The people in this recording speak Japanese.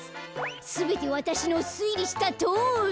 すべてわたしのすいりしたとおり。